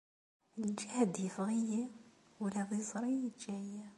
Lǧehd iffeɣ-iyi, ula d iẓri yeǧǧa-yi.